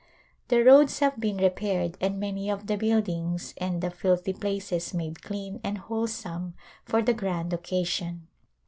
The roads have been repaired and many of the build ings and the filthy places made clean and wholesome for the grand occasion.